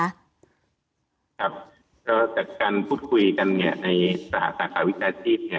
เราจากการพูดคุยกันไว้ในสถานสถานหากวิธีวิชาชีพ